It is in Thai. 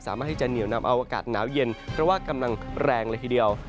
สามารถที่จะเหนียวนำเอาอากาศหนาวเย็นเพราะว่ากำลังแรงเลยทีเดียว